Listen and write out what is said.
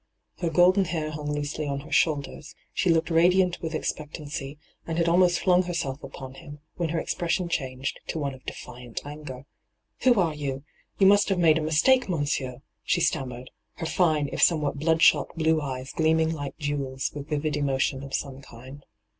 Her golden hair hung loosely on her shoulders ; she looked radiant with expeo tancy, and had almost flung herself upon him, when her expression changed to one of defiant anger. ' Who are you ? You must have made a mistake, monsieur I' she stammered, her fine, if somewhat bloodshot, blue eyes gleaming like jewels with vivid emotion of some kind.